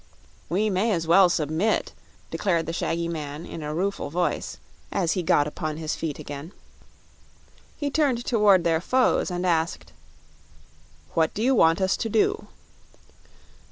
"We may as well submit," declared the shaggy man, in a rueful voice, as he got upon his feet again. He turned toward their foes and asked: "What do you want us to do?"